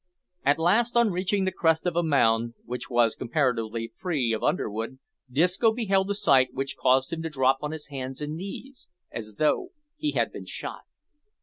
At last on reaching the crest of a mound which was comparatively free of underwood, Disco beheld a sight which caused him to drop on his hands and knees as though he had been shot.